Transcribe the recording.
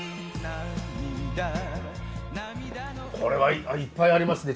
これはいっぱいありますね。